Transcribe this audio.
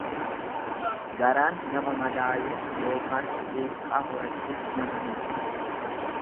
Garaan nama madaayuun ykn quuqqaa horachuun nama miidha.